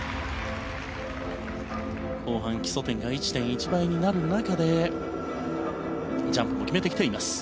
後半、基礎点が１．１倍になる中でジャンプを決めてきています。